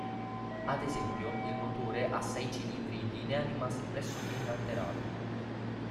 Ad esempio, il motore a sei cilindri in linea rimase pressoché inalterato.